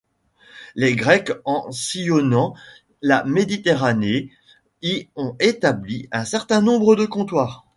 Les Grecs, en sillonnant la Méditerranée, y ont établi un certain nombre de comptoirs.